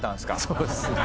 そうですね。